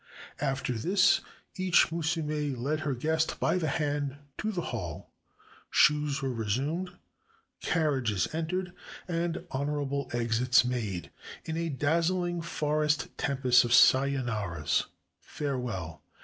After this each musume led her guest by the hand to the hall. Shoes were resumed, carriages entered, and "honorable exits" made, in a dazzling forest tempest of Sayondras ("Farewell!")